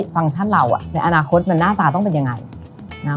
ฟังก์ชั่นเราอ่ะในอนาคตมันหน้าตาต้องเป็นยังไงนะ